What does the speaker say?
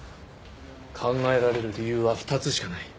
考えられる理由は２つしかない。